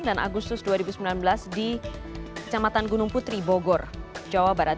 dan agustus dua ribu sembilan belas di kecamatan gunung putri bogor jawa barat